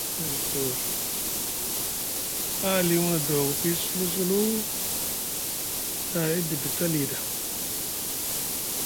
Haa alimu na doogo pii sulu sulu na e dibi taa lii ɗa.